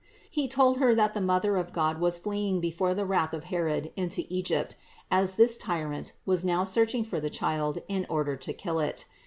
He told her that the Mother of God was fleeing before the wrath of Herod into Egypt, as this tyrant was now searching for the Child in order to kill It.